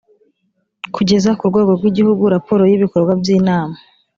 kugeza ku rwego rw’igihugu raporo y’ibikorwa by’inama